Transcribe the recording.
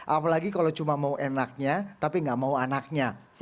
apalagi kalau cuma mau enaknya tapi nggak mau anaknya